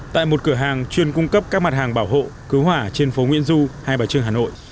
tại một cửa hàng chuyên cung cấp các mặt hàng bảo hộ cứu hỏa trên phố nguyễn du hai bà trưng hà nội